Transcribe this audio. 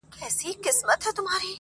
د وخت څپه تېرېږي ورو